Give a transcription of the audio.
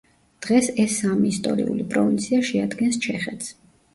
დღს ეს სამი ისტორიული პროვინცია შეადგენს ჩეხეთს.